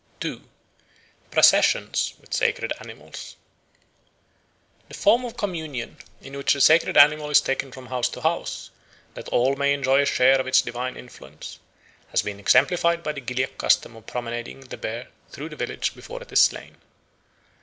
2. Processions with Sacred Animals THE FORM of communion in which the sacred animal is taken from house to house, that all may enjoy a share of its divine influence, has been exemplified by the Gilyak custom of promenading the bear through the village before it is slain.